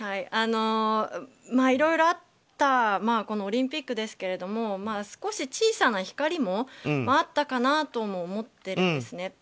いろいろあったオリンピックですけども少し小さな光もあったかなとも思ってるんですね。